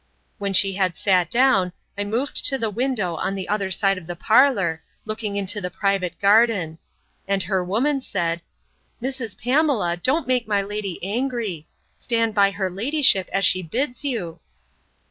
When she had sat down, I moved to the window on the other side of the parlour, looking into the private garden; and her woman said, Mrs. Pamela, don't make my lady angry. Stand by her ladyship, as she bids you.